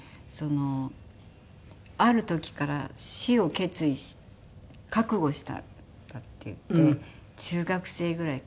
ある時から死を決意「覚悟したんだ」って言って中学生ぐらいかな。